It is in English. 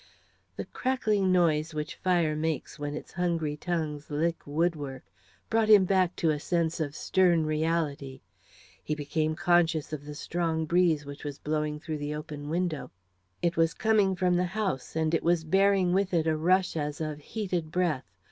The crackling noise which fire makes when its hungry tongues lick woodwork brought him back to a sense of stern reality. He became conscious of the strong breeze which was blowing through the open window. It was coming from the house, and was bearing with it a rush as of heated breath.